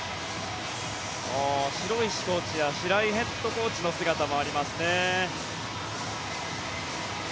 城石コーチや白井ヘッドコーチの姿もありますね。